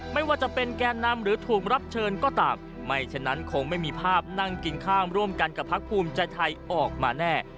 ไม่ว่าจะเป็นแก่นำหรือถูกรับเชิญก็ตามไม่ฉะนั้นคงไม่มีภาพนั่งกินข้ามร่วมกันกับพักภูมิใจไทยออกมาแน่